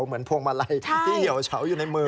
พวงมาลัยที่เหี่ยวเฉาอยู่ในมือ